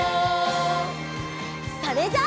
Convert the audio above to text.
それじゃあ。